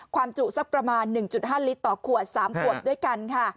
ความจุสักประมาณหนึ่งจุดห้านลิตรต่อขวดสามขวดด้วยกันค่ะ